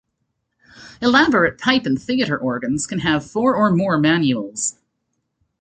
Elaborate pipe and theater organs can have four or more manuals.